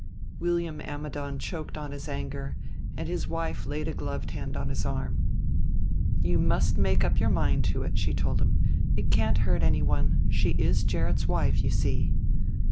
William Ammidon choked on his anger, and his wife laid a gloved hand on his arm. "You must make up your mind to it," she told him. "It can't hurt anyone. She is Gerrit's wife, you see."